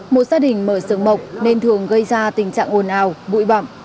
một gia đình mở sườn mộc nên thường gây ra tình trạng ồn ào bụi bậm